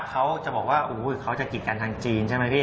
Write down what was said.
เขาจะบอกว่าเขาจะกิจกันทางจีนใช่ไหมพี่